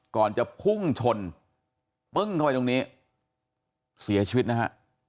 ก่อนจะพุ่งชนปึ้งเข้าไปตรงนี้เสียชีวิตนะฮะ